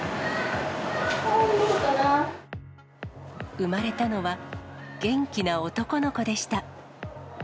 産まれたのは、元気な男の子でした。